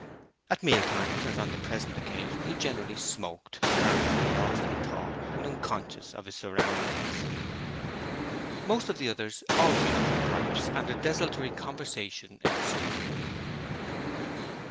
At meal times, as on the present occasion, he generally smoked, apparently lost in thought and unconscious of his surroundings. Most of the others also lit their pipes and a desultory conversation ensued.